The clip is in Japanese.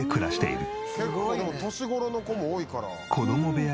結構でも年頃の子も多いから。